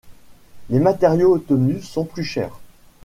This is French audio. Les matériaux obtenus sont plus chers.